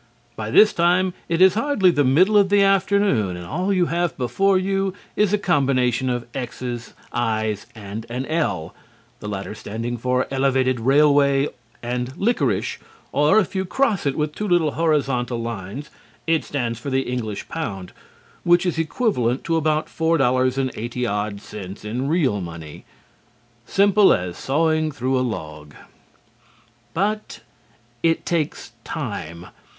By this time it is hardly the middle of the afternoon, and all you have before you is a combination of X's, I's and an L, the latter standing for "Elevated Railway," and "Licorice," or, if you cross it with two little horizontal lines, it stands for the English pound, which is equivalent to about four dollars and eighty odd cents in real money. Simple as sawing through a log. But it takes time.